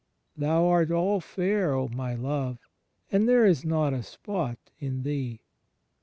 "Thou art all fair, my Love, and there is not a spot in thee."